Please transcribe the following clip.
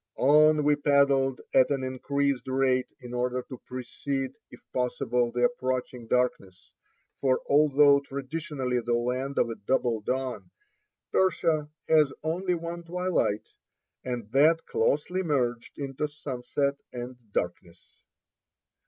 On we pedaled at an increased rate, in order to precede, if possible, the approaching darkness; for although traditionally the land of a double dawn, Persia has only one twilight, and that closely merged into sunset and darkness.